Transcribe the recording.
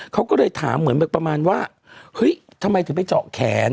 เขาก็เลยถามเหมือนแบบประมาณว่าเฮ้ยทำไมถึงไปเจาะแขน